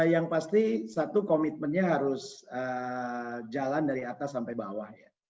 yang pasti satu komitmennya harus jalan dari atas sampai bawah ya